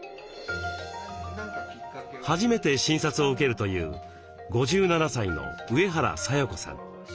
初めて診察を受けるという５７歳の上原沙夜子さん。